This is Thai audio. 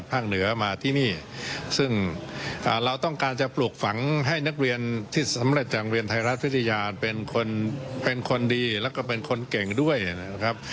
เป็นไทรรัฐวิทยาเป็นคนดีและเป็นคนเก่งด้วยนะครับ